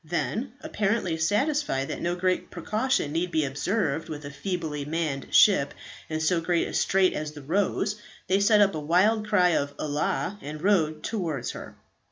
Then, apparently satisfied that no great precaution need be observed with a feebly manned ship in so great a strait as the "Rose," they set up a wild cry of "Allah!" and rowed towards her.